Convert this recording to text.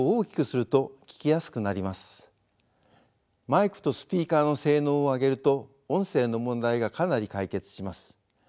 マイクとスピーカーの性能を上げると音声の問題がかなり解決します。